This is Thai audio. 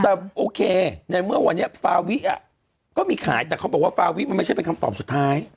แต่โอเคในเมื่อวันนี้ฟาวิก็มีขายแต่เขาบอกว่าฟาวิมันไม่ใช่เป็นคำตอบสุดท้าย